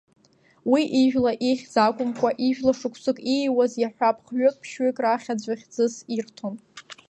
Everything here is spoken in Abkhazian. Уи ижәла, ихьӡ акәымкәа, ижәла шықәсык ииуаз, иаҳҳәап, хҩык, ԥшьҩык рахь аӡәы хьӡыс ирҭон.